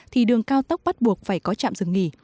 thì đường cao tốc bắt buộc phải có trạm dừng nghỉ